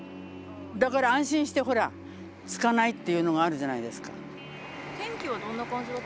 だから安心してほらつかないっていうのがあるじゃないですか。